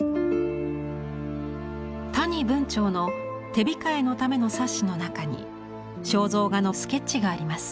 谷文晁の手控えのための冊子の中に肖像画のスケッチがあります。